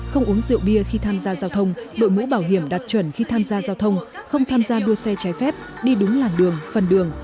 không uống rượu bia khi tham gia giao thông đội mũ bảo hiểm đạt chuẩn khi tham gia giao thông không tham gia đua xe trái phép đi đúng làng đường phần đường